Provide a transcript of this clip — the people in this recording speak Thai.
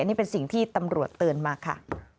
นี่เป็นสิ่งที่ตำรวจเตือนมาค่ะ